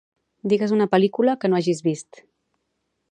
Digues una pel·lícula que no hagis vist.